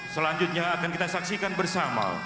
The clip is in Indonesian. selanjutnya akan kita saksikan bersama